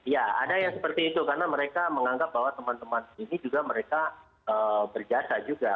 ya ada yang seperti itu karena mereka menganggap bahwa teman teman ini juga mereka berjasa juga